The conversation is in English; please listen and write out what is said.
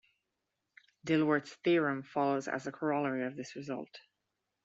Dilworth's theorem follows as a corollary of this result.